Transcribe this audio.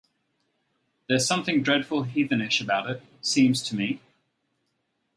There’s something dreadful heathenish about it, seems to me.